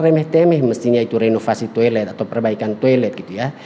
kenapa kemudian hal remeh temeh mestinya itu renovasi toilet atau perbaikan toilet gitu ya